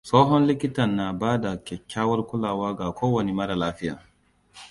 Tsohon likitan na bada kyakkyawar kulawa ga kowane mara lafiya.